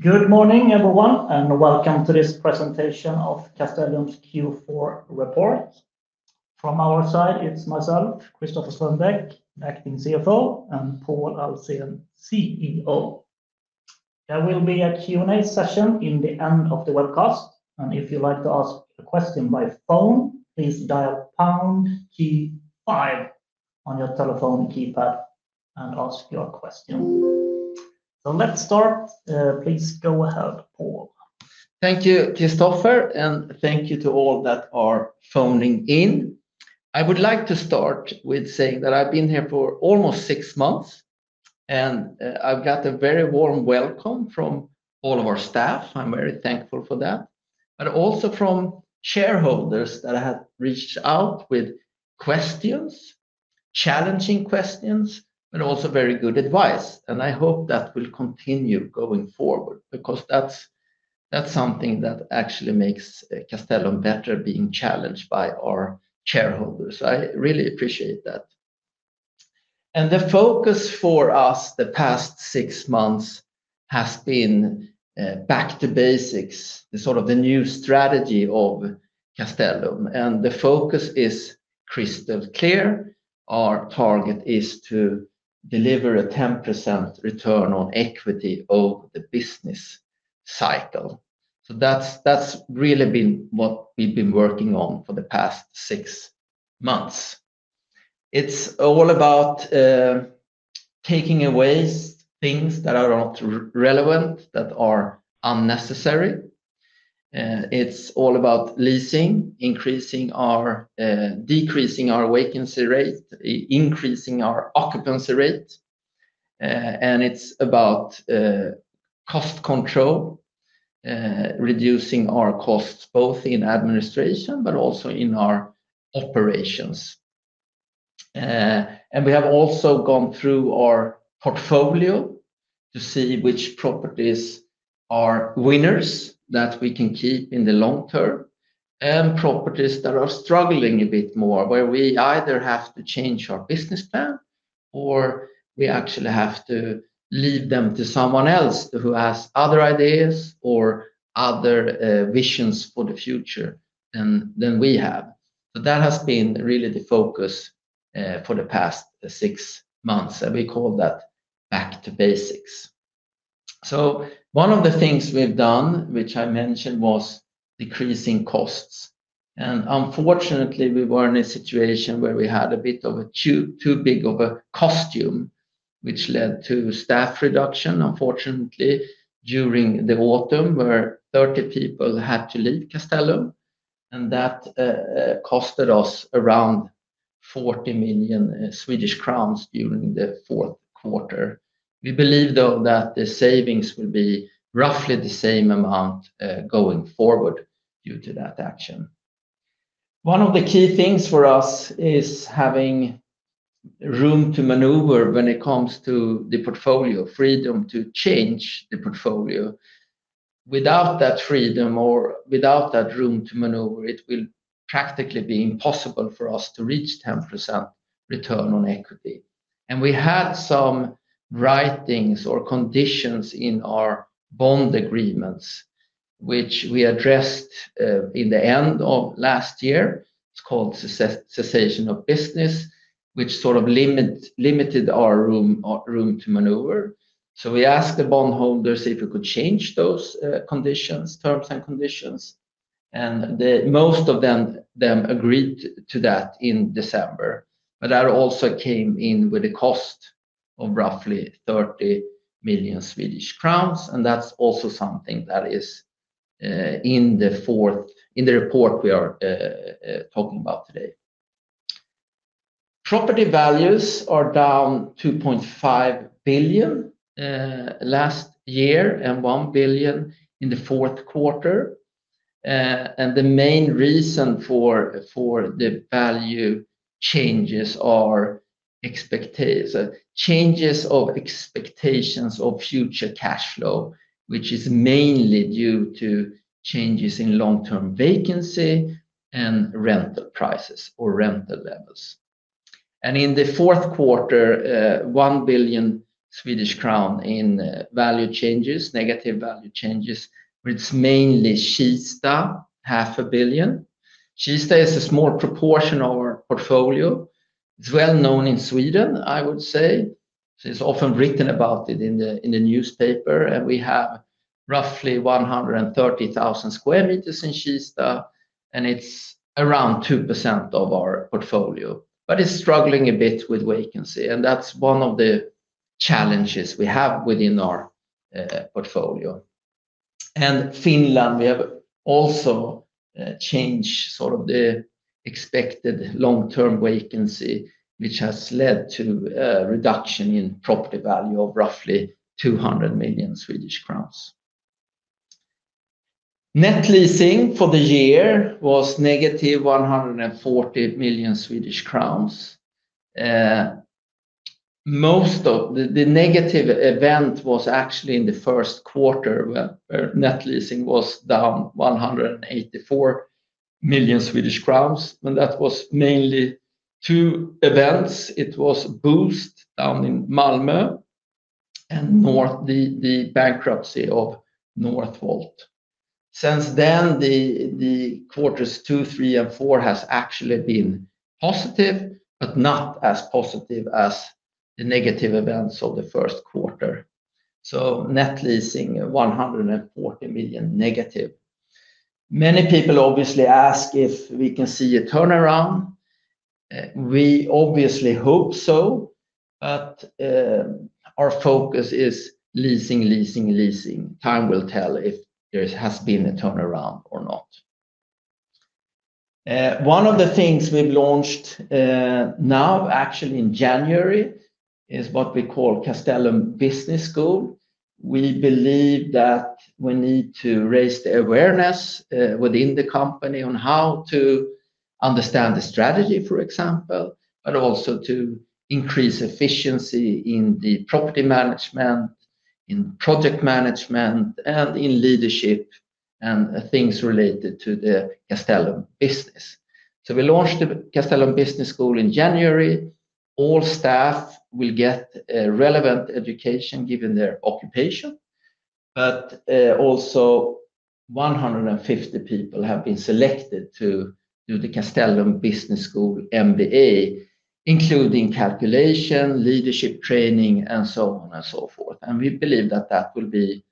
Good morning, everyone, and welcome to this presentation of Castellum's Q4 report. From our side, it's myself, Christoffer Strömbäck, Acting CFO, and Pål Ahlsén, CEO. There will be a Q&A session in the end of the webcast, and if you'd like to ask a question by phone, please dial pound key five on your telephone keypad and ask your question. So let's start. Please go ahead, Pål. Thank you, Christoffer, and thank you to all that are phoning in. I would like to start with saying that I've been here for almost six months, and, I've got a very warm welcome from all of our staff. I'm very thankful for that, but also from shareholders that have reached out with questions, challenging questions, and also very good advice. I hope that will continue going forward because that's, that's something that actually makes, Castellum better, being challenged by our shareholders. I really appreciate that. The focus for us the past six months has been, back to basics, the sort of the new strategy of Castellum, and the focus is crystal clear. Our target is to deliver a 10% return on equity over the business cycle. So that's, that's really been what we've been working on for the past six months. It's all about taking away things that are not irrelevant, that are unnecessary. It's all about leasing, decreasing our vacancy rate, increasing our occupancy rate. And it's about cost control, reducing our costs, both in administration but also in our operations. And we have also gone through our portfolio to see which properties are winners that we can keep in the long term, and properties that are struggling a bit more, where we either have to change our business plan or we actually have to leave them to someone else who has other ideas or other visions for the future than, than we have. But that has been really the focus for the past six months, and we call that back to basics. So one of the things we've done, which I mentioned, was decreasing costs. Unfortunately, we were in a situation where we had a bit of a too big of a cost base, which led to staff reduction. Unfortunately, during the autumn, 30 people had to leave Castellum, and that costed us around 40 million Swedish crowns during the Q4. We believe, though, that the savings will be roughly the same amount going forward due to that action. One of the key things for us is having room to maneuver when it comes to the portfolio, freedom to change the portfolio. Without that freedom or without that room to maneuver, it will practically be impossible for us to reach 10% return on equity. We had some right things or conditions in our bond agreements, which we addressed in the end of last year. It's called cessation of business, which sort of limited our room to maneuver. So we asked the bondholders if we could change those terms and conditions, and most of them agreed to that in December. But that also came in with a cost of roughly 30 million Swedish crowns, and that's also something that is in the Q4 report we are talking about today. Property values are down 2.5 billion last year and 1 billion in the Q4. And the main reason for the value changes are changes of expectations of future cash flow, which is mainly due to changes in long-term vacancy and rental prices or rental levels. In the Q4, 1 billion Swedish crown in value changes, negative value changes, which is mainly Kista, 0.5 billion. Kista is a small proportion of our portfolio. It's well known in Sweden, I would say. It's often written about it in the newspaper, and we have roughly 130,000 square meters in Kista, and it's around 2% of our portfolio. But it's struggling a bit with vacancy, and that's one of the challenges we have within our portfolio. And Finland, we have also changed sort of the expected long-term vacancy, which has led to a reduction in property value of roughly 200 million Swedish crowns. Net leasing for the year was -140 million Swedish crowns. Most of... The negative event was actually in the Q1, where net leasing was down 184 million Swedish crowns, and that was mainly two events. It was Boozt down in Malmö and the bankruptcy of Northvolt. Since then, the quarters two, three, and four has actually been positive, but not as positive as the negative events of the Q1. So net leasing, 140 million negative. Many people obviously ask if we can see a turnaround. We obviously hope so, but our focus is leasing, leasing, leasing. Time will tell if there has been a turnaround or not. One of the things we've launched now, actually in January, is what we call Castellum Business School. We believe that we need to raise the awareness within the company on how to understand the strategy, for example, but also to increase efficiency in the property management, in project management, and in leadership, and things related to the Castellum business. So we launched the Castellum Business School in January. All staff will get relevant education given their occupation, but also 150 people have been selected to do the Castellum Business School MBA, including calculation, leadership training, and so on and so forth. And we believe that that will be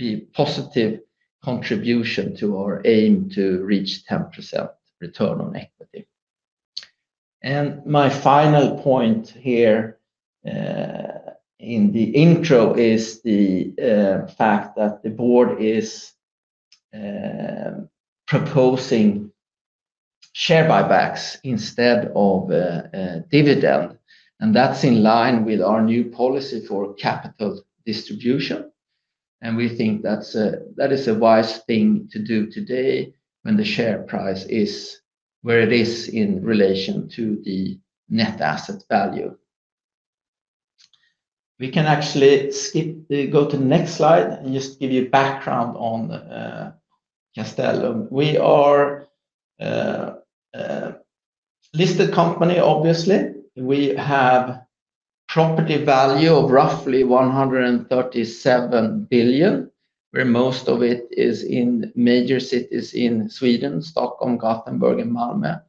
a positive contribution to our aim to reach 10% return on equity. And my final point here in the intro is the fact that the board is proposing share buybacks instead of dividend, and that's in line with our new policy for capital distribution. We think that's, that is a wise thing to do today when the share price is where it is in relation to the net asset value. We can actually skip, go to the next slide and just give you background on, Castellum. We are listed company, obviously. We have property value of roughly 137 billion, where most of it is in major cities in Sweden, Stockholm, Gothenburg, and Malmö.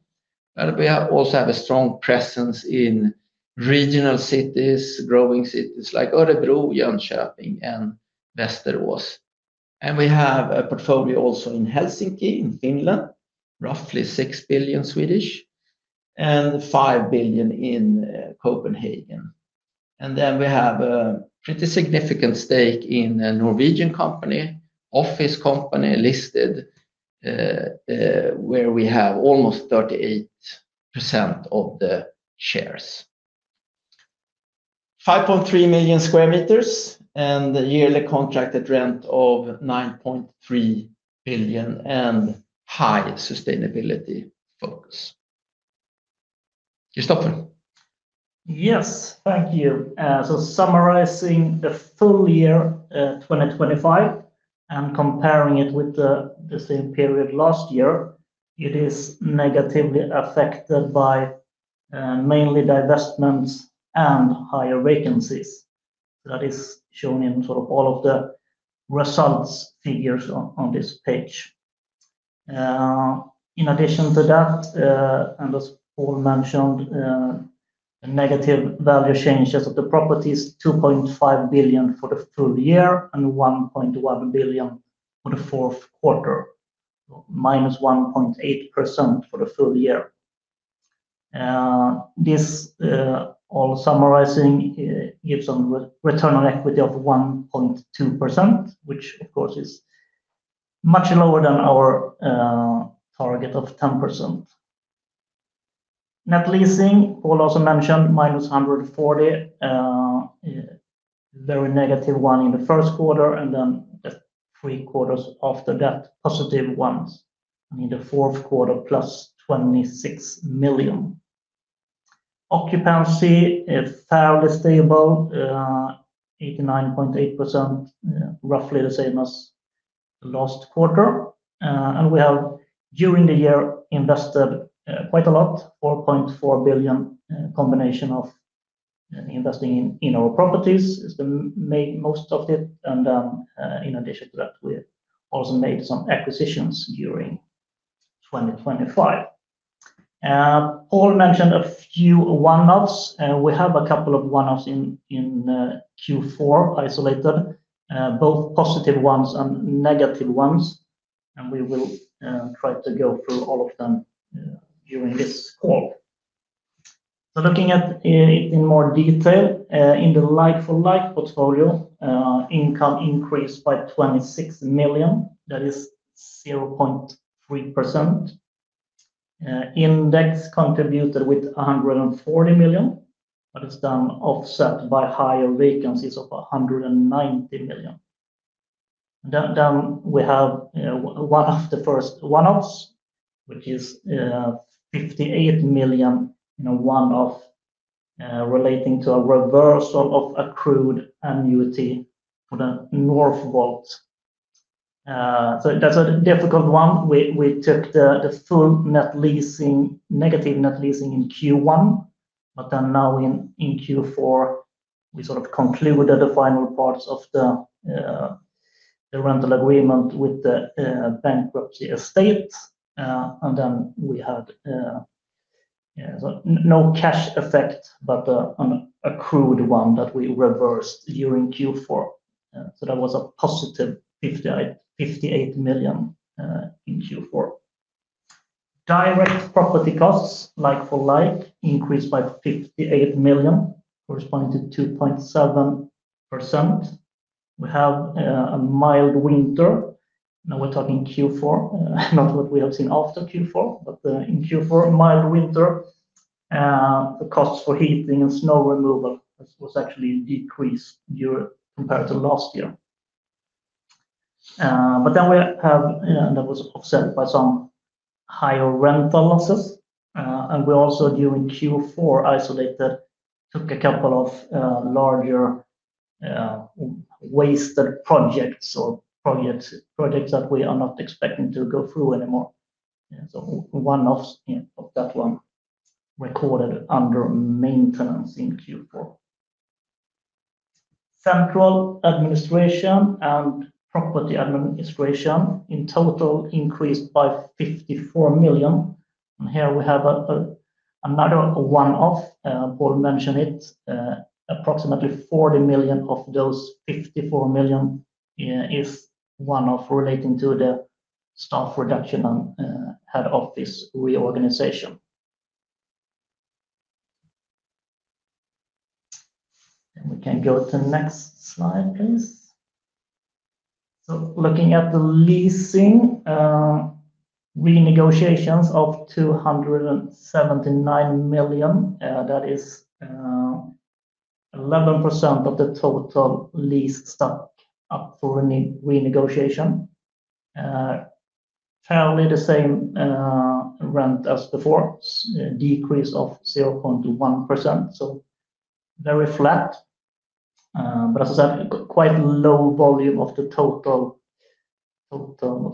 But we have also have a strong presence in regional cities, growing cities like Örebro, Jönköping, and Västerås. And we have a portfolio also in Helsinki, in Finland, roughly 6 billion, and 5 billion in, Copenhagen. And then we have a pretty significant stake in a Norwegian company, office company, listed, where we have almost 38% of the shares. 5.3 million square meters, and a yearly contracted rent of 9.3 billion and high sustainability focus. Christoffer? Yes, thank you. So summarizing the full year 2025 and comparing it with the same period last year, it is negatively affected by mainly divestments and higher vacancies. That is shown in sort of all of the results figures on this page. In addition to that, and as Pål mentioned, negative value changes of the properties, 2.5 billion for the full year and 1.1 billion for the Q4, -1.8% for the full year. This all summarizing gives a return on equity of 1.2%, which of course is much lower than our target of 10%. Net leasing, Pål also mentioned -140, very negative 1 in the Q1, and then the three quarters after that, positive ones, in the Q4, SEK +26 million. Occupancy is fairly stable, 89.8%, roughly the same as last quarter. And we have, during the year, invested quite a lot, 4.4 billion, combination of investing in our properties is the most of it. In addition to that, we also made some acquisitions during 2025. Pål mentioned a few one-offs, we have a couple of one-offs in Q4, isolated, both positive ones and negative ones, and we will try to go through all of them during this call. So looking at in more detail, in the like-for-like portfolio, income increased by 26 million, that is 0.3%. Index contributed with 140 million, but it's done offset by higher vacancies of 190 million. Then we have one of the first one-offs, which is 58 million in a one-off relating to a reversal of accrued annuity for the Northvolt. So that's a difficult one. We took the full net leasing, negative net leasing in Q1, but then now in Q4, we sort of concluded the final parts of the rental agreement with the bankruptcy estate. And then we had no cash effect, but an accrued one that we reversed during Q4. So that was a positive 58, 58 million SEK in Q4. Direct property costs, like-for-like, increased by 58 million, corresponding to 2.7%. We have a mild winter. Now we're talking Q4, not what we have seen after Q4, but in Q4, a mild winter. The costs for heating and snow removal was actually decreased year compared to last year. But then we have that was offset by some higher rental losses. And we also, during Q4, isolated, took a couple of larger wasted projects or projects, projects that we are not expecting to go through anymore. Yeah, so one-offs, yeah, of that one recorded under maintenance in Q4. Central administration and property administration in total increased by 54 million, and here we have another one-off. Pål mentioned it. Approximately 40 million of those 54 million is one-off relating to the staff reduction and head office reorganization. We can go to the next slide, please. Looking at the leasing renegotiations of 279 million, that is 11% of the total lease stock up for renegotiation. Fairly the same rent as before, decrease of 0.1%, so very flat. But as I said, quite low volume of the total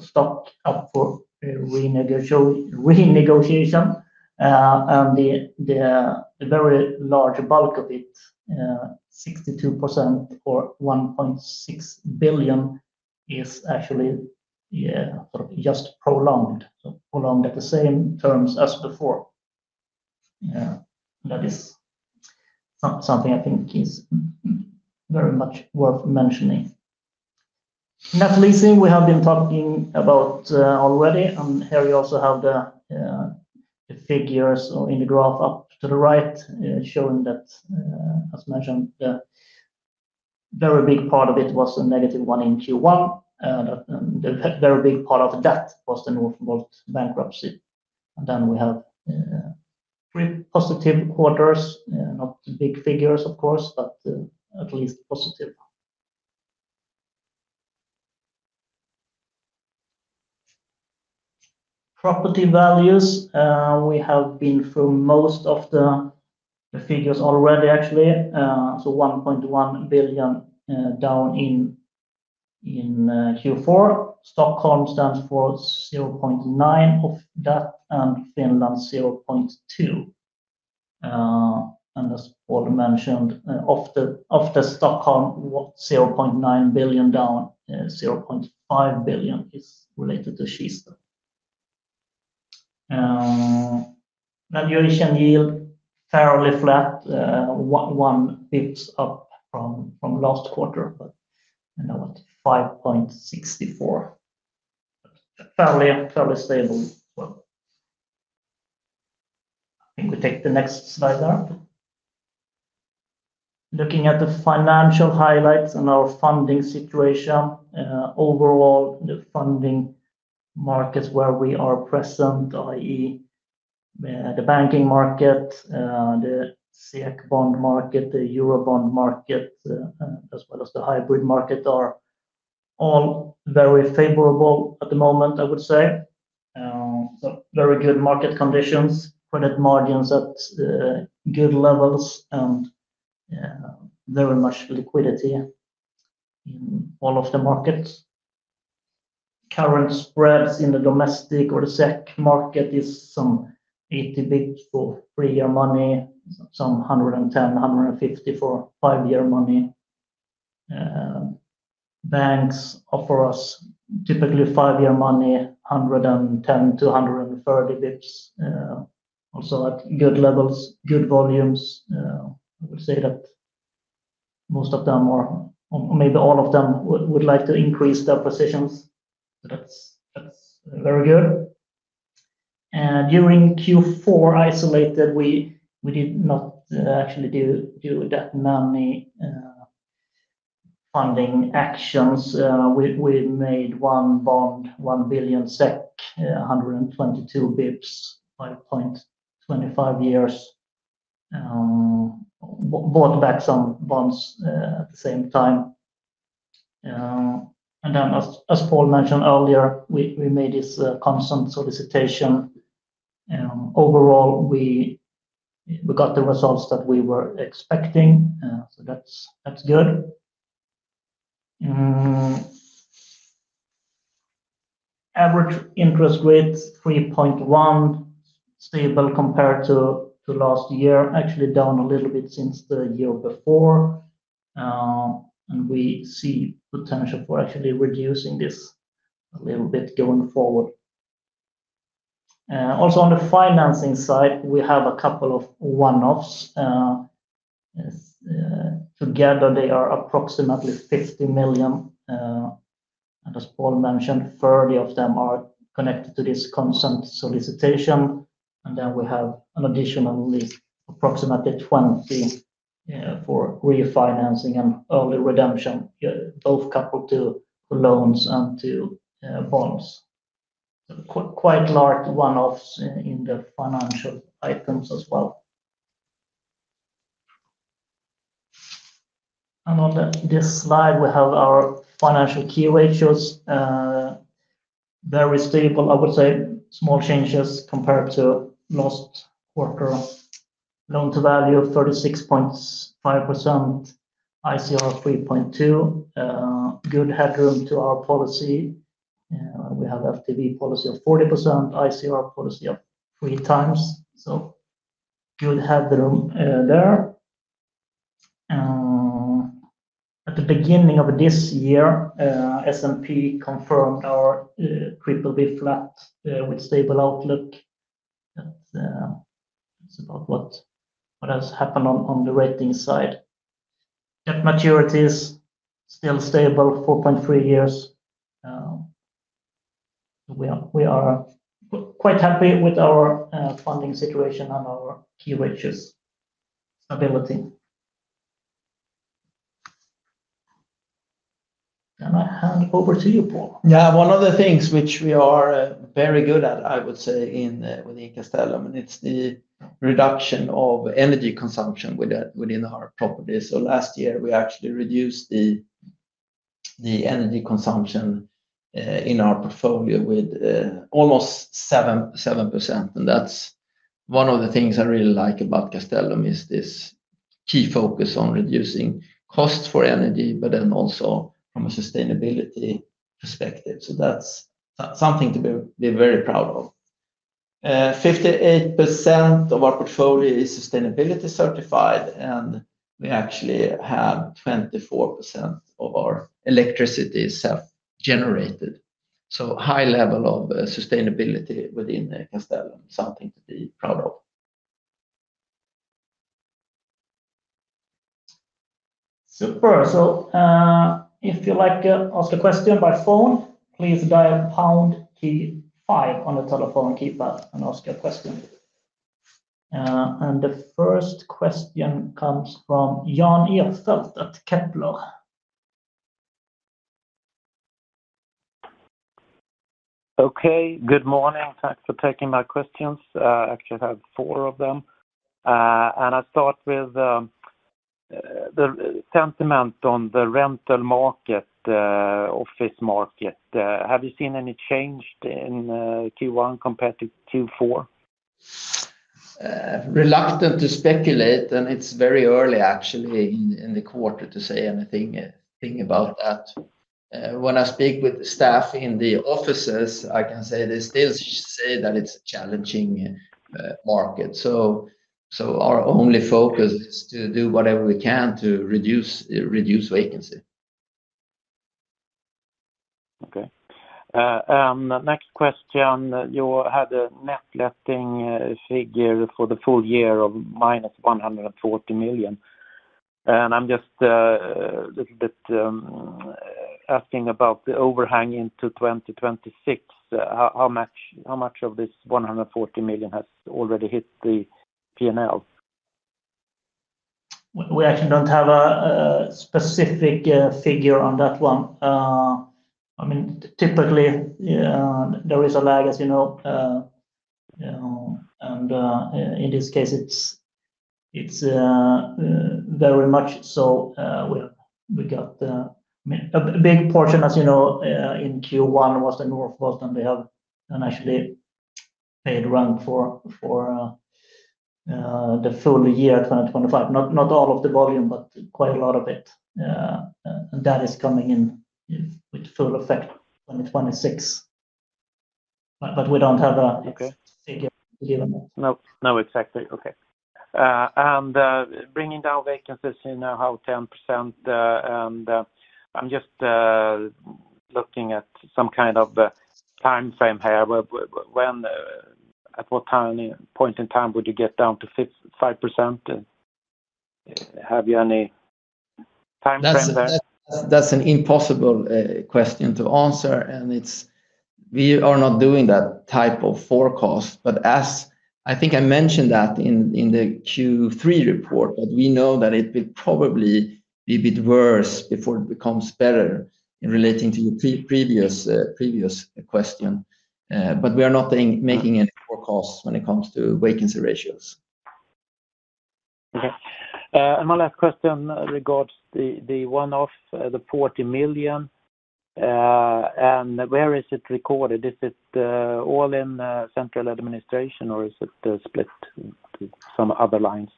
stock up for renegotiation. And the very large bulk of it, 62% or 1.6 billion, is actually, yeah, sort of just prolonged. Prolonged at the same terms as before. Yeah, that is something I think is very much worth mentioning. Net leasing, we have been talking about already, and here we also have the figures or in the graph up to the right, showing that, as mentioned, the very big part of it was a -1 in Q1, and a very big part of that was the Northvolt bankruptcy. And then we have 3 positive quarters, not big figures, of course, but at least positive. Property values, we have been through most of the figures already, actually. So 1.1 billion down in Q4. Stockholm stands for 0.9 of that, and Finland, 0.2. And as Pål mentioned, of the Stockholm, what 0.9 billion down, 0.5 billion is related to Kista. Valuation yield, fairly flat, 1 basis point up from last quarter, but you know, what? 5.64. Fairly stable as well. I think we take the next slide down. Looking at the financial highlights and our funding situation, overall, the funding markets where we are present, i.e., the banking market, the SEK bond market, the eurobond market, as well as the hybrid market, are all very favorable at the moment, I would say. So very good market conditions, credit margins at good levels and very much liquidity in all of the markets. Current spreads in the domestic or the SEK market is some 80 basis points for three-year money, some 110-150 for five-year money. Banks offer us typically five-year money, 110-130 basis points. Also at good levels, good volumes. I would say that most of them or maybe all of them would like to increase their positions. So that's very good. During Q4, isolated, we did not actually do that many funding actions. We made one bond, 1 billion SEK, 122 basis points, 5.25 years. Bought back some bonds at the same time. And then as Pål mentioned earlier, we made this consent solicitation, and overall we got the results that we were expecting, so that's good. Average interest rates 3.1%, stable compared to last year, actually down a little bit since the year before. And we see potential for actually reducing this a little bit going forward. Also on the financing side, we have a couple of one-offs. As, together, they are approximately 50 million, and as Pål mentioned, 30 of them are connected to this consent solicitation, and then we have an additional list, approximately 20, for refinancing and early redemption, both coupled to loans and to bonds. Quite large one-offs in the financial items as well. On this slide, we have our financial key ratios. Very stable, I would say small changes compared to last quarter. Loan to value of 36.5% ICR 3.2. Good headroom to our policy, we have LTV policy of 40%, ICR policy of 3x, so good headroom there. At the beginning of this year, S&P confirmed our BBB, with stable outlook. That, that's about what has happened on the rating side. Debt maturities still stable, 4.3 years. We are quite happy with our funding situation and our key ratios stability. Then I hand over to you, Pål. Yeah, one of the things which we are very good at, I would say, within Castellum, and it's the reduction of energy consumption within our properties. So last year, we actually reduced the energy consumption in our portfolio with almost 7%. And that's one of the things I really like about Castellum, is this key focus on reducing costs for energy, but then also from a sustainability perspective. So that's something to be very proud of. 58% of our portfolio is sustainability certified, and we actually have 24% of our electricity self-generated. So high level of sustainability within Castellum, something to be proud of. Super. So, if you'd like to ask a question by phone, please dial pound key five on the telephone keypad and ask your question. And the first question comes from Jan Ihrfelt at Kepler. Okay, good morning. Thanks for taking my questions. I actually have four of them. I start with the sentiment on the rental market, office market. Have you seen any change in Q1 compared to Q4? Reluctant to speculate, and it's very early actually in the quarter to say anything about that. When I speak with the staff in the offices, I can say they still say that it's a challenging market. So our only focus is to do whatever we can to reduce vacancy. Okay. Next question. You had a net letting figure for the full year of minus 140 million. I'm just a little bit asking about the overhang into 2026. How much of this 140 million has already hit the PNL? We actually don't have a specific figure on that one. I mean, typically, there is a lag, as you know. In this case, it's very much so. We got a big portion, as you know, in Q1 was the Northvolt, and we actually paid rent for the full year 2025. Not all of the volume, but quite a lot of it. That is coming in with full effect in 2026. But we don't have a- Okay. Figure to give on that. No, no, exactly. Okay. And bringing down vacancies, you know, how 10%, and I'm just looking at some kind of time frame here. When, at what point in time would you get down to 5%? Have you any time frame there? That's an impossible question to answer, and it's... We are not doing that type of forecast. But as I think I mentioned that in the Q3 report, that we know that it will probably be a bit worse before it becomes better in relating to your previous question. But we are not making any forecasts when it comes to vacancy ratios.... Okay, and my last question regards the, the one-off, the 40 million. And where is it recorded? Is it all in central administration, or is it split to some other lines?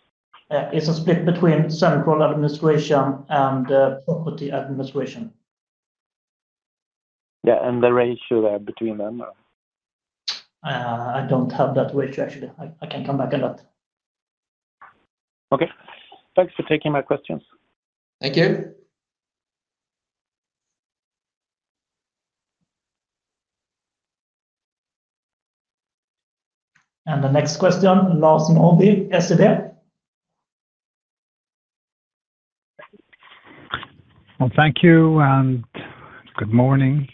It's a split between central administration and property administration. Yeah, and the ratio between them? I don't have that ratio, actually. I can come back on that. Okay. Thanks for taking my questions. Thank you. The next question, Lars Norrby, SEB. Well, thank you, and good morning.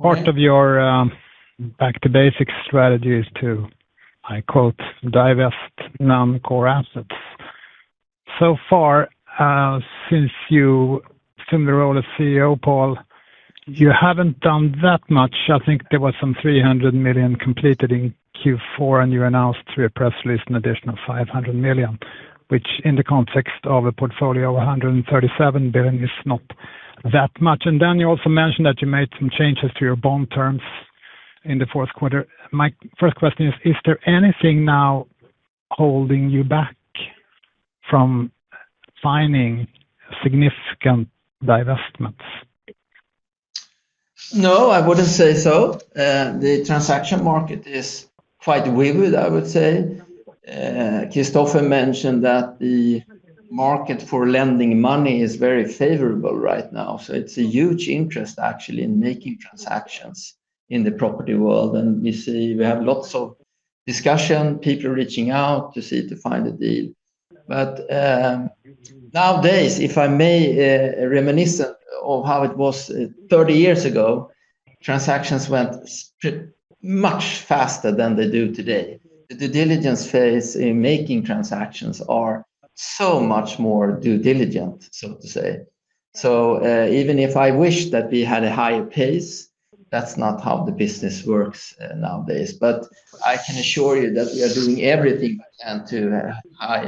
Part of your back to basic strategy is to, I quote, "divest non-core assets." So far, since you assumed the role as CEO, Pål, you haven't done that much. I think there was some 300 million completed in Q4, and you announced through a press release an additional 500 million, which in the context of a portfolio of 137 billion, is not that much. And then you also mentioned that you made some changes to your bond terms in the Q4. My first question is, is there anything now holding you back from finding significant divestments? No, I wouldn't say so. The transaction market is quite vivid, I would say. Christoffer mentioned that the market for lending money is very favorable right now, so it's a huge interest actually in making transactions in the property world. And we see we have lots of discussion, people reaching out to see to find a deal. But nowadays, if I may, reminisce of how it was 30 years ago, transactions went much faster than they do today. The due diligence phase in making transactions are so much more due diligent, so to say. So even if I wish that we had a higher pace, that's not how the business works nowadays. But I can assure you that we are doing everything we can to high,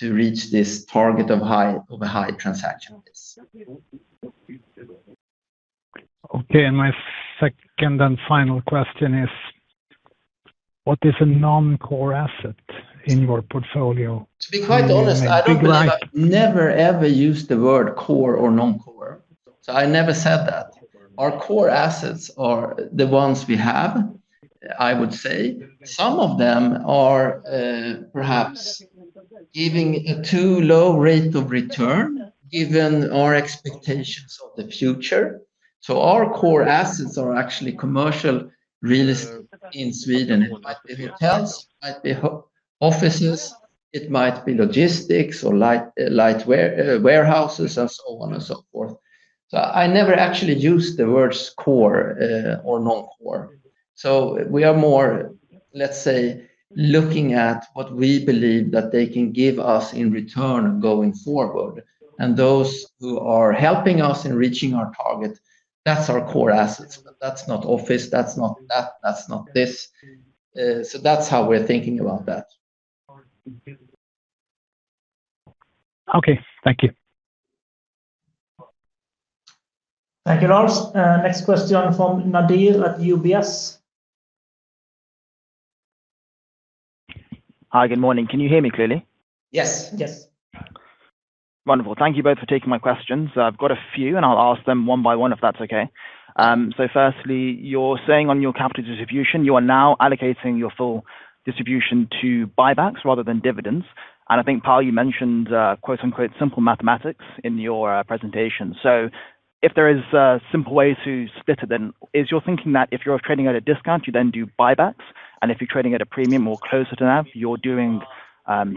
to reach this target of high, of a high transaction. Okay, and my second and final question is, what is a non-core asset in your portfolio? To be quite honest, I don't think I've never, ever used the word core or non-core, so I never said that. Our core assets are the ones we have, I would say. Some of them are perhaps giving a too low rate of return, given our expectations of the future. So our core assets are actually commercial real estate in Sweden. It might be hotels, it might be offices, it might be logistics or light warehouses, and so on and so forth. So I never actually used the words core or non-core. So we are more, let's say, looking at what we believe that they can give us in return going forward. And those who are helping us in reaching our target, that's our core assets. That's not office, that's not that, that's not this. So that's how we're thinking about that. Okay. Thank you. Thank you, Lars. Next question from Nadeem at UBS. Hi, good morning. Can you hear me clearly? Yes. Yes. Wonderful. Thank you both for taking my questions. I've got a few, and I'll ask them one by one, if that's okay. So firstly, you're saying on your capital distribution, you are now allocating your full distribution to buybacks rather than dividends. And I think, Pål, you mentioned, quote, unquote, "simple mathematics" in your presentation. So if there is simple ways to split it, then is your thinking that if you're trading at a discount, you then do buybacks, and if you're trading at a premium or closer to that, you're doing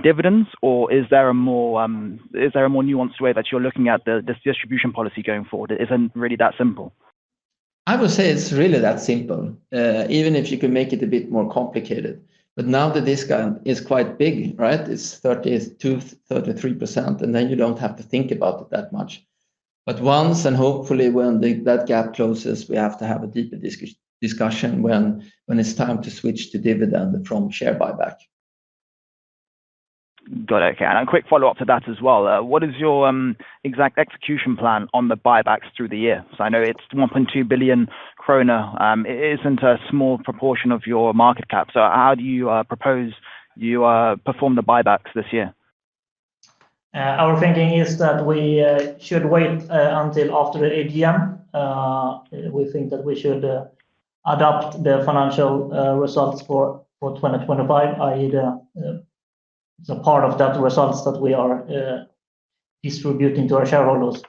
dividends? Or is there a more, is there a more nuanced way that you're looking at this distribution policy going forward? It isn't really that simple. I would say it's really that simple, even if you can make it a bit more complicated. But now the discount is quite big, right? It's 30%-33%, and then you don't have to think about it that much. But once, and hopefully when that gap closes, we have to have a deeper discussion when it's time to switch to dividend from share buyback. Got it. Okay, and a quick follow-up to that as well. What is your exact execution plan on the buybacks through the year? So I know it's 1.2 billion kronor. It isn't a small proportion of your market cap, so how do you propose you perform the buybacks this year? Our thinking is that we should wait until after the AGM. We think that we should adopt the financial results for 2025, i.e., the part of that results that we are distributing to our shareholders.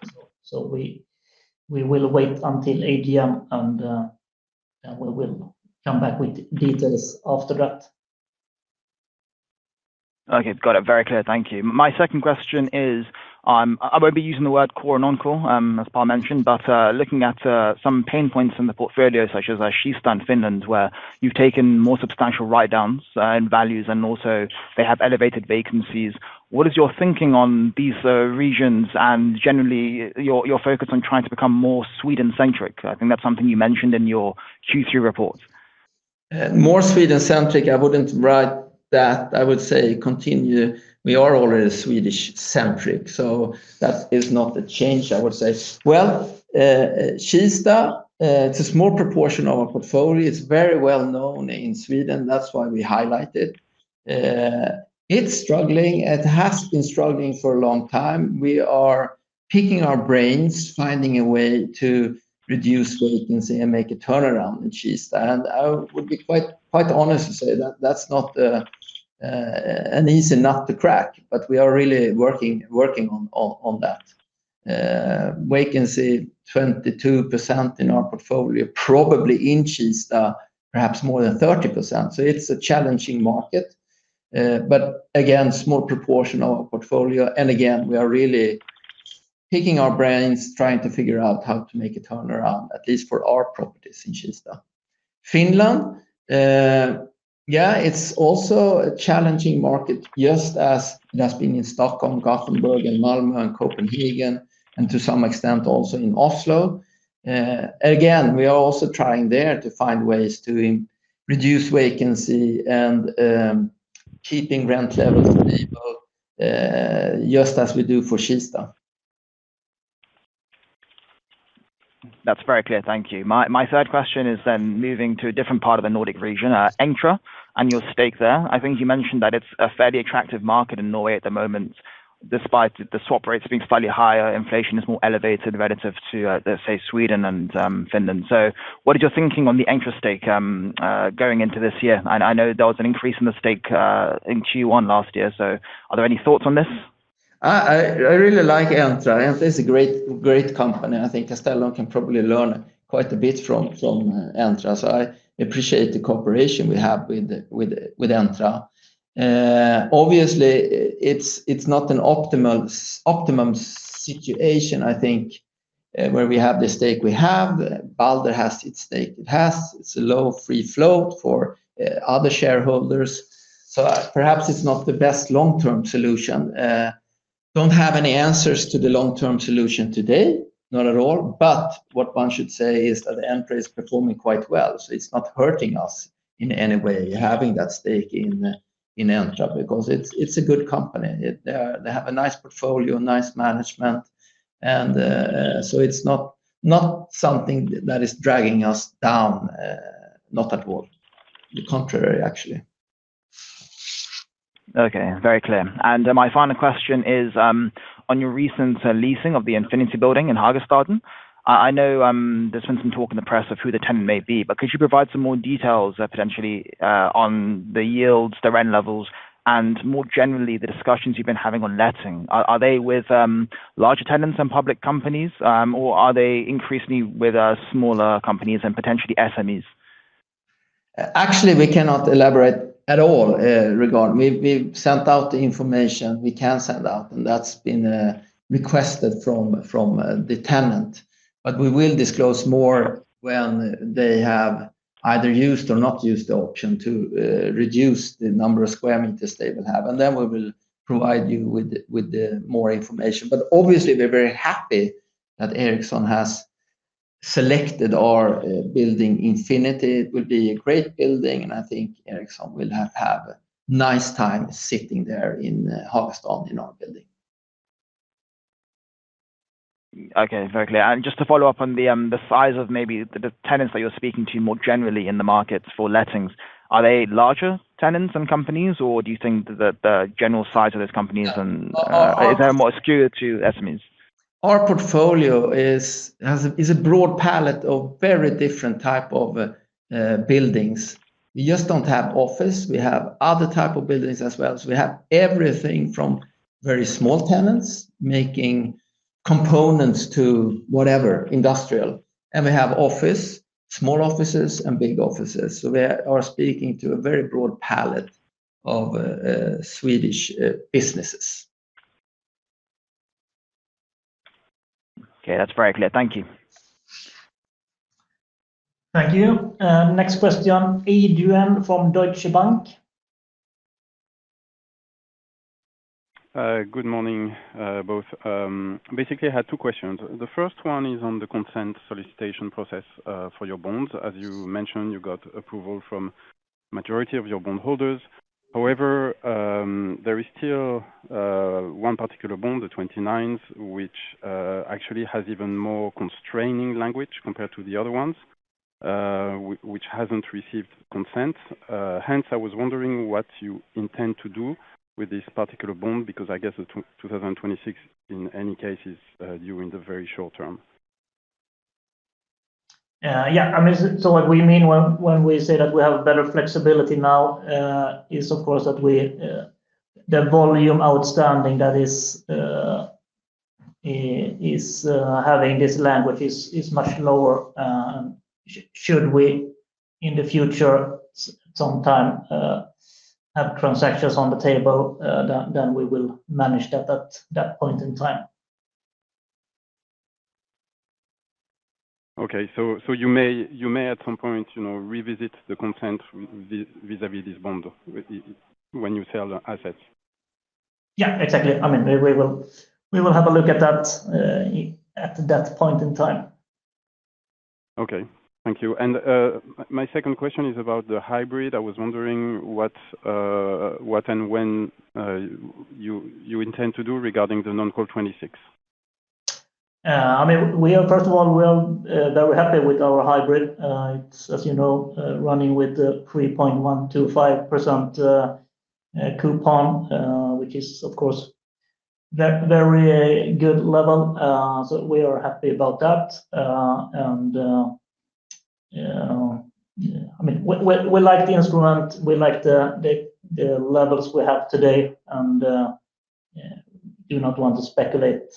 So we will wait until AGM and we will come back with details after that. Okay. Got it. Very clear. Thank you. My second question is, I won't be using the word core and non-core, as Pål mentioned, but, looking at, some pain points in the portfolio, such as, Kista in Finland, where you've taken more substantial write-downs, in values, and also they have elevated vacancies. What is your thinking on these, regions and generally your, your focus on trying to become more Sweden-centric? I think that's something you mentioned in your Q3 report.... And more Sweden-centric, I wouldn't write that. I would say continue. We are already Swedish-centric, so that is not a change, I would say. Well, Kista, it's a small proportion of our portfolio. It's very well known in Sweden, that's why we highlight it. It's struggling, it has been struggling for a long time. We are picking our brains, finding a way to reduce vacancy and make a turnaround in Kista. And I would be quite honest to say that that's not an easy nut to crack, but we are really working on that. Vacancy, 22% in our portfolio, probably in Kista, perhaps more than 30%, so it's a challenging market. But again, small proportion of our portfolio, and again, we are really picking our brains, trying to figure out how to make a turnaround, at least for our properties in Kista. Finland, yeah, it's also a challenging market, just as it has been in Stockholm, Gothenburg, and Malmö, and Copenhagen, and to some extent, also in Oslo. Again, we are also trying there to find ways to reduce vacancy and, keeping rent levels stable, just as we do for Kista. That's very clear. Thank you. My third question is then moving to a different part of the Nordic region, Entra and your stake there. I think you mentioned that it's a fairly attractive market in Norway at the moment, despite the swap rates being slightly higher, inflation is more elevated relative to, say, Sweden and Finland. So what is your thinking on the Entra stake, going into this year? I know there was an increase in the stake, in Q1 last year, so are there any thoughts on this? I really like Entra. Entra is a great, great company, and I think Castellum can probably learn quite a bit from Entra. So I appreciate the cooperation we have with Entra. Obviously, it's not an optimum situation, I think, where we have the stake we have. Balder has its stake it has. It's a low free flow for other shareholders, so perhaps it's not the best long-term solution. Don't have any answers to the long-term solution today, not at all. But what one should say is that Entra is performing quite well, so it's not hurting us in any way, having that stake in Entra, because it's a good company. They have a nice portfolio, nice management, and so it's not something that is dragging us down, not at all. The contrary, actually. Okay, very clear. My final question is, on your recent leasing of the Infinity building in Hagastaden. I know, there's been some talk in the press of who the tenant may be, but could you provide some more details, potentially, on the yields, the rent levels, and more generally, the discussions you've been having on letting? Are they with large tenants and public companies, or are they increasingly with smaller companies and potentially SMEs? Actually, we cannot elaborate at all regarding. We've sent out the information we can send out, and that's been requested from the tenant. But we will disclose more when they have either used or not used the option to reduce the number of square meters they will have, and then we will provide you with the more information. But obviously, we're very happy that Ericsson has selected our building, Infinity. It will be a great building, and I think Ericsson will have a nice time sitting there in Hagastaden in our building. Okay, very clear. And just to follow up on the size of maybe the tenants that you're speaking to more generally in the markets for lettings. Are they larger tenants and companies, or do you think that the general size of those companies and Is there more skewed to SMEs? Our portfolio is a broad palette of very different type of buildings. We just don't have office, we have other type of buildings as well. So we are speaking to a very broad palette of Swedish businesses. Okay, that's very clear. Thank you. Thank you. Next question, Adrian from Deutsche Bank. Good morning, both. Basically, I had two questions. The first one is on the consent solicitation process for your bonds. As you mentioned, you got approval from majority of your bondholders. However, there is still one particular bond, the 2029s, which actually has even more constraining language compared to the other ones, which hasn't received consent. Hence, I was wondering what you intend to do with this particular bond, because I guess the 2026, in any case, is due in the very short term. Yeah. I mean, so what we mean when we say that we have a better flexibility now, is, of course, that we, the volume outstanding that is, having this language is much lower. Should we, in the future, sometime, have transactions on the table, then we will manage that at that point in time. Okay. So you may, at some point, you know, revisit the content vis-à-vis this bond when you sell the assets?... Yeah, exactly. I mean, we, we will, we will have a look at that, at that point in time. Okay. Thank you. And my second question is about the hybrid. I was wondering what and when you intend to do regarding the non-call 26? I mean, we are first of all very happy with our hybrid. It's, as you know, running with the 3.125% coupon, which is of course very, very good level. So we are happy about that. I mean, we like the instrument, we like the levels we have today, and do not want to speculate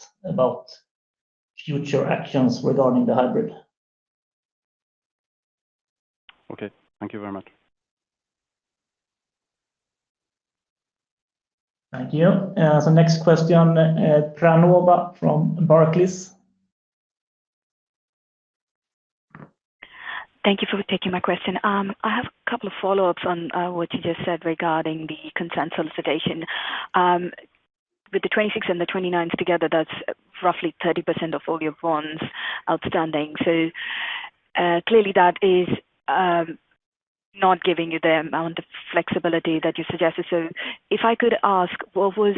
about future actions regarding the hybrid. Okay. Thank you very much. Thank you. So next question, Pranava from Barclays. Thank you for taking my question. I have a couple of follow-ups on what you just said regarding the consent solicitation. With the 2026 and the 2029s together, that's roughly 30% of all your bonds outstanding. Clearly that is not giving you the amount of flexibility that you suggested. If I could ask, what was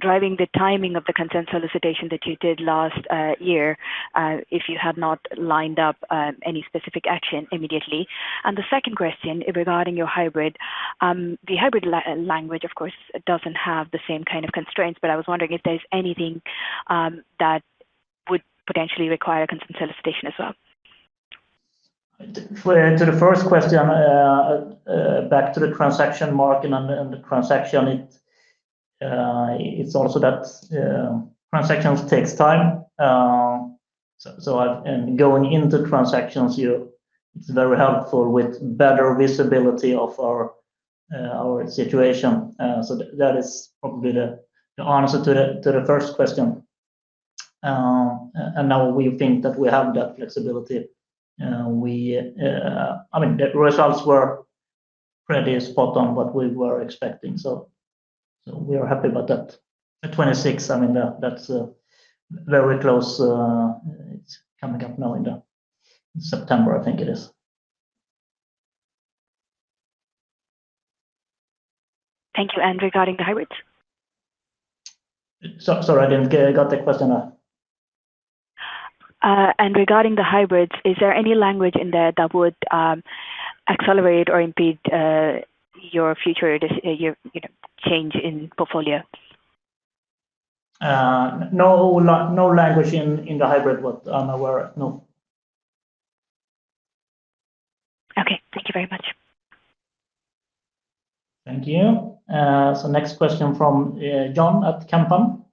driving the timing of the consent solicitation that you did last year, if you had not lined up any specific action immediately? The second question regarding your hybrid, the hybrid language, of course, doesn't have the same kind of constraints, but I was wondering if there's anything that would potentially require consent solicitation as well? To the first question, back to the transaction market and the transaction, it's also that transactions takes time. So, and going into transactions, it's very helpful with better visibility of our situation. So that is probably the answer to the first question. And now we think that we have that flexibility. I mean, the results were pretty spot on what we were expecting, so we are happy about that. At 26, I mean, that's very close, it's coming up now in the September, I think it is. Thank you, and regarding the hybrids? Sorry, I didn't get. I got the question. Regarding the hybrids, is there any language in there that would accelerate or impede your future, you know, change in portfolio? No language in the hybrid, what I'm aware of, no. Okay, thank you very much. Thank you. So next question from John at Kempen.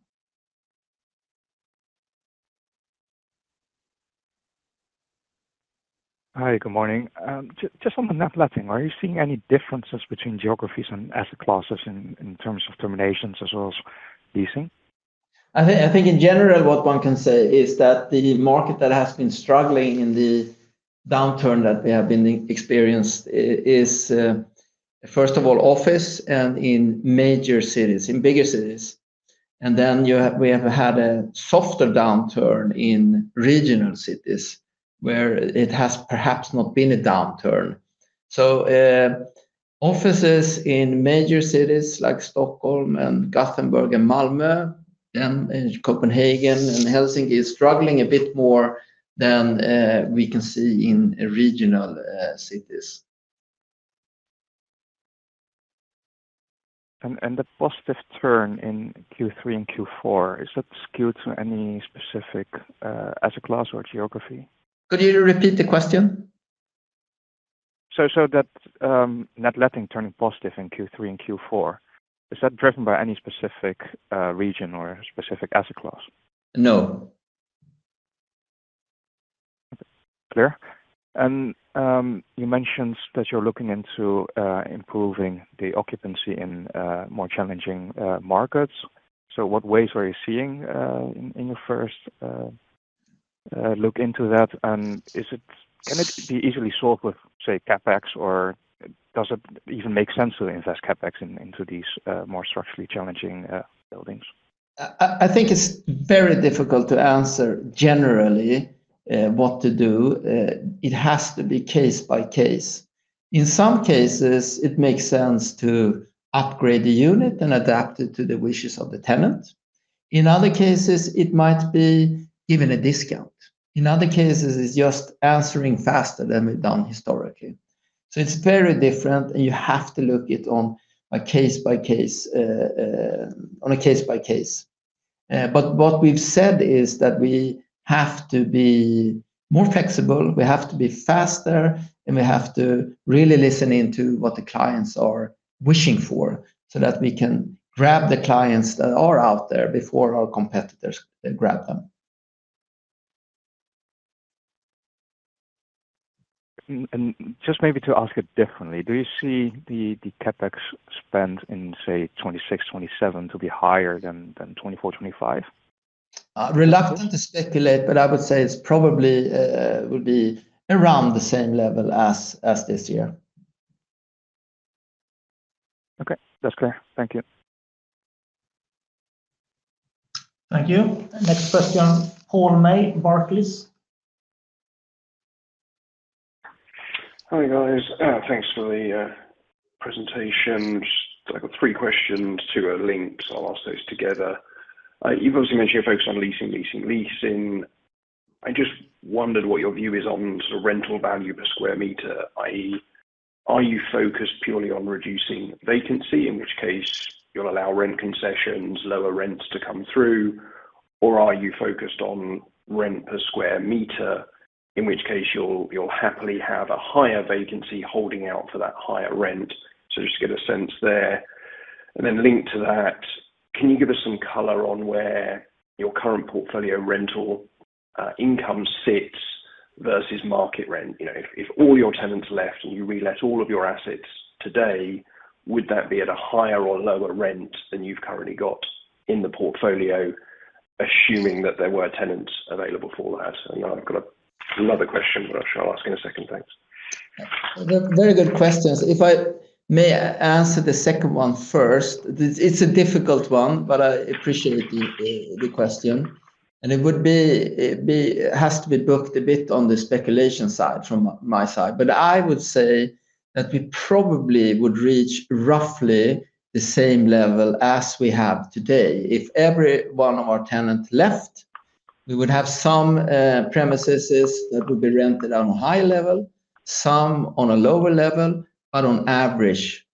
Hi, good morning. Just on the net letting, are you seeing any differences between geographies and asset classes in terms of terminations as well as leasing? I think, I think in general, what one can say is that the market that has been struggling in the downturn that we have been experienced is, first of all, office and in major cities, in bigger cities. We have had a softer downturn in regional cities, where it has perhaps not been a downturn. So, offices in major cities like Stockholm and Gothenburg and Malmö, then in Copenhagen and Helsinki, is struggling a bit more than we can see in regional cities. And the positive turn in Q3 and Q4, is that skewed to any specific asset class or geography? Could you repeat the question? So that net letting turning positive in Q3 and Q4, is that driven by any specific region or specific asset class? No. Clear. You mentioned that you're looking into improving the occupancy in more challenging markets. So what ways are you seeing in your first look into that? And is it-... can it be easily solved with, say, CapEx, or does it even make sense to invest CapEx into these more structurally challenging buildings? I think it's very difficult to answer generally what to do. It has to be case by case. In some cases, it makes sense to upgrade the unit and adapt it to the wishes of the tenant. In other cases, it might be giving a discount. In other cases, it's just answering faster than we've done historically. So it's very different, and you have to look it on a case by case, on a case by case. But what we've said is that we have to be more flexible, we have to be faster, and we have to really listen into what the clients are wishing for, so that we can grab the clients that are out there before our competitors grab them. Just maybe to ask it differently, do you see the CapEx spend in, say, 2026, 2027 to be higher than 2024, 2025?... reluctant to speculate, but I would say it's probably will be around the same level as this year. Okay. That's clear. Thank you. Thank you. Next question, Paul May, Barclays. Hi, guys. Thanks for the presentation. Just, I got three questions, two are linked, so I'll ask those together. You've obviously mentioned you're focused on leasing, leasing, leasing. I just wondered what your view is on the rental value per square meter, i.e., are you focused purely on reducing vacancy, in which case you'll allow rent concessions, lower rents to come through? Or are you focused on rent per square meter, in which case you'll happily have a higher vacancy holding out for that higher rent. So just to get a sense there. And then linked to that, can you give us some color on where your current portfolio rental income sits versus market rent? You know, if all your tenants left and you relet all of your assets today, would that be at a higher or lower rent than you've currently got in the portfolio, assuming that there were tenants available for that? I've got another question, but I'll ask in a second. Thanks. Very good questions. If I may answer the second one first. It's a difficult one, but I appreciate the question, and it would be, it has to be booked a bit on the speculation side from my side. But I would say that we probably would reach roughly the same level as we have today. If every one of our tenants left, we would have some premises that would be rented on a high level, some on a lower level, but on average,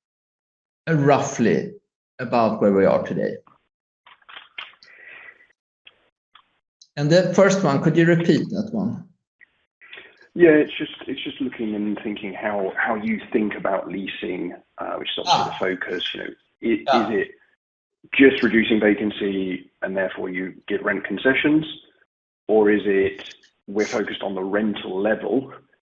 roughly about where we are today. And the first one, could you repeat that one? Yeah. It's just, it's just looking and thinking how, how you think about leasing. which is sort of the focus. You know- Is it just reducing vacancy and therefore you give rent concessions? Or is it we're focused on the rental level?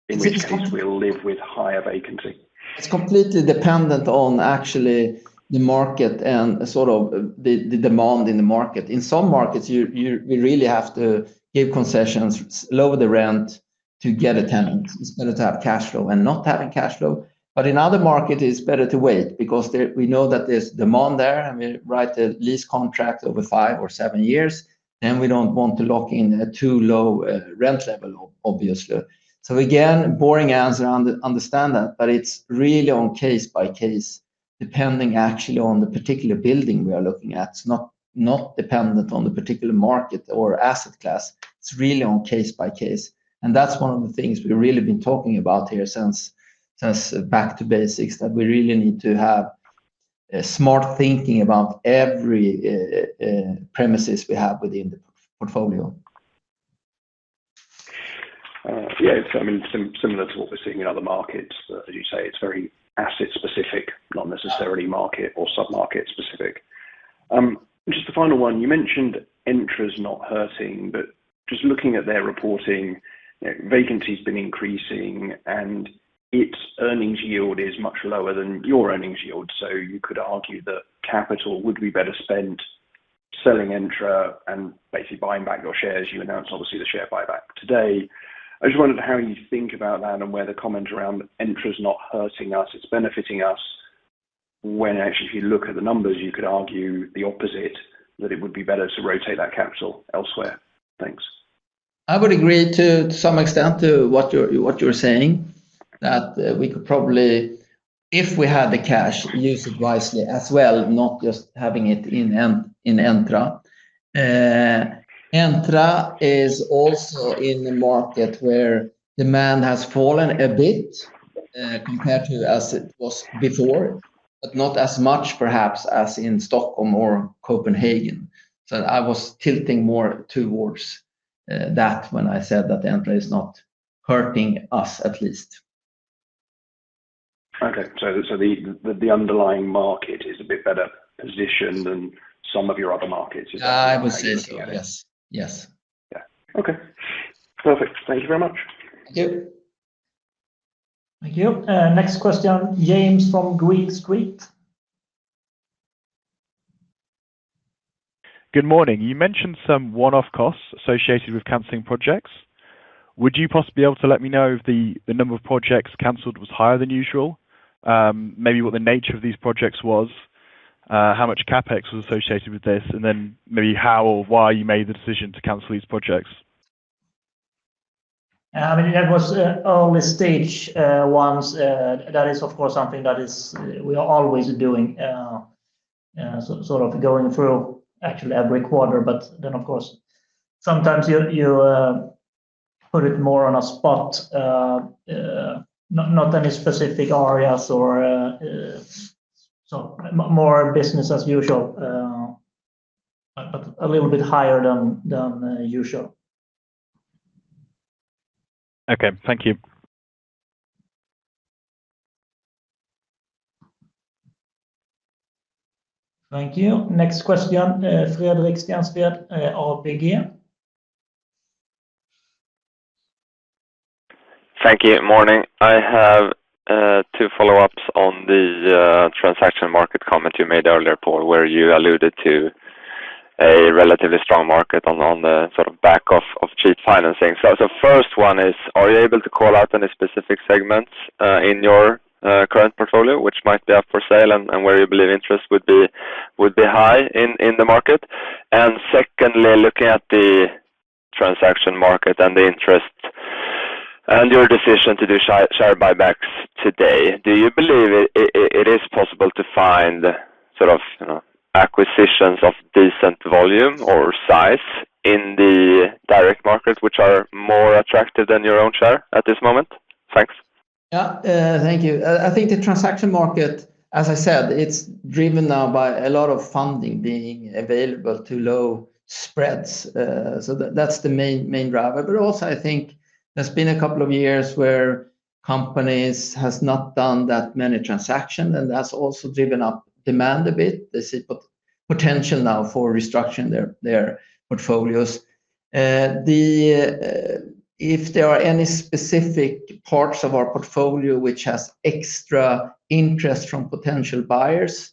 It's completely- In which case we live with higher vacancy. It's completely dependent on actually the market and sort of the demand in the market. In some markets, we really have to give concessions, lower the rent to get a tenant. It's better to have cash flow and not having cash flow. But in other market, it's better to wait because there, we know that there's demand there, and we write a lease contract over five or seven years, then we don't want to lock in a too low rent level, obviously. So again, boring answer, understand that, but it's really on case by case, depending actually on the particular building we are looking at. It's not dependent on the particular market or asset class, it's really on case by case. That's one of the things we've really been talking about here since back to basics, that we really need to have smart thinking about every premises we have within the portfolio. Yeah, I mean, similar to what we're seeing in other markets, as you say, it's very asset specific, not necessarily market or sub-market specific. Just the final one, you mentioned Entra is not hurting, but just looking at their reporting, vacancy's been increasing, and its earnings yield is much lower than your earnings yield. So you could argue that capital would be better spent selling Entra and basically buying back your shares. You announced, obviously, the share buyback today. I just wondered how you think about that and where the comment around Entra is not hurting us, it's benefiting us, when actually, if you look at the numbers, you could argue the opposite, that it would be better to rotate that capital elsewhere. Thanks. I would agree to some extent to what you're, what you're saying, that we could probably, if we had the cash, use it wisely as well, not just having it in Entra. Entra is also in a market where demand has fallen a bit, compared to as it was before, but not as much perhaps as in Stockholm or Copenhagen. So I was tilting more towards that when I said that Entra is not hurting us, at least. Okay. So the underlying market is a bit better positioned than some of your other markets. Is that? I would say so, yes. Yes. Yeah. Okay, perfect. Thank you very much. Thank you. Thank you. Next question, James from Green Street. Good morning. You mentioned some one-off costs associated with canceling projects. Would you possibly be able to let me know if the number of projects canceled was higher than usual? Maybe what the nature of these projects was, how much CapEx was associated with this, and then maybe how or why you made the decision to cancel these projects? I mean, that was only stage ones, that is, of course, something that is we are always doing, sort of going through actually every quarter. But then, of course, sometimes you put it more on a spot, not any specific areas or. So more business as usual, but a little bit higher than usual. Okay. Thank you. Thank you. Next question, Fredrik Stensved, ABG. ...Thank you. Morning. I have two follow-ups on the transaction market comment you made earlier, Pål, where you alluded to a relatively strong market on the sort of back of cheap financing. So the first one is, are you able to call out any specific segments in your current portfolio, which might be up for sale and where you believe interest would be high in the market? And secondly, looking at the transaction market and the interest and your decision to do share buybacks today, do you believe it is possible to find sort of, you know, acquisitions of decent volume or size in the direct market, which are more attractive than your own share at this moment? Thanks. Yeah, thank you. I think the transaction market, as I said, it's driven now by a lot of funding being available to low spreads. So that's the main, main driver. But also, I think there's been a couple of years where companies has not done that many transaction, and that's also driven up demand a bit. They see potential now for restructuring their portfolios. If there are any specific parts of our portfolio which has extra interest from potential buyers?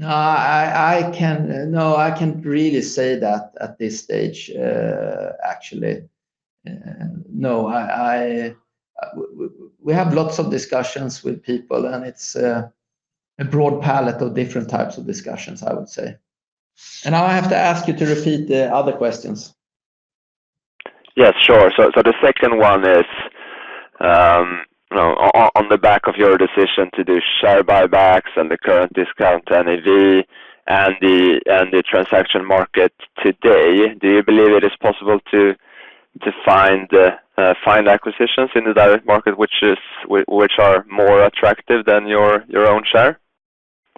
No, I can't really say that at this stage, actually. No, we have lots of discussions with people, and it's a broad palette of different types of discussions, I would say. And now I have to ask you to repeat the other questions. Yes, sure. So the second one is, on the back of your decision to do share buybacks and the current discount NAV and the transaction market today, do you believe it is possible to find acquisitions in the direct market, which are more attractive than your own share?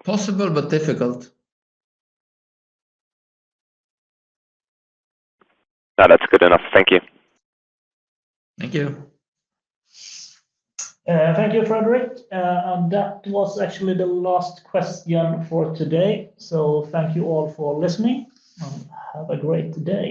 Possible, but difficult. No, that's good enough. Thank you. Thank you. Thank you, Fredrik. That was actually the last question for today. Thank you all for listening, and have a great day.